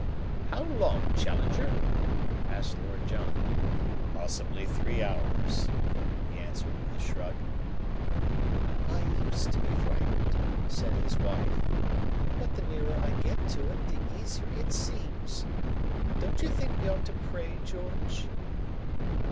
"How long, Challenger?" asked Lord John. "Possibly three hours," he answered with a shrug. "I used to be frightened," said his wife. "But the nearer I get to it, the easier it seems. Don't you think we ought to pray, George?"